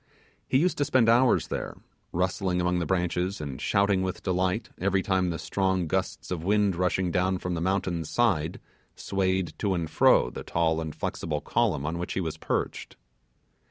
He used to spend hours there, rustling among the branches, and shouting with delight every time the strong gusts of wind rushing down from the mountain side, swayed to and fro the tall and flexible column on which he was perched.